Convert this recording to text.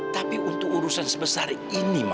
tapi untuk urusan sebesar ini